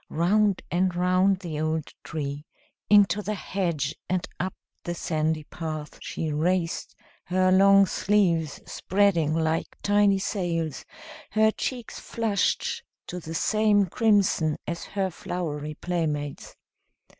Round and round the old tree, into the hedge, and up the sandy path she raced, her long sleeves spreading like tiny sails, her cheeks flushed to the same crimson as her flowery playmates.